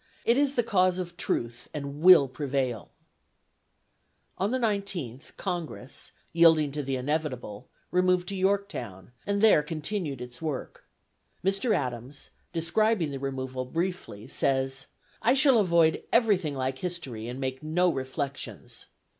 It is the cause of truth and will prevail." On the 19th, Congress, yielding to the inevitable, removed to Yorktown and there continued its work. Mr. Adams, describing the removal briefly, says, "I shall avoid everything like history, and make no reflections."